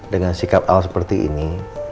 dengan sikap al seperti ini